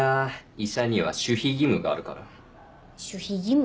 医者には守秘義務があるから守秘義務？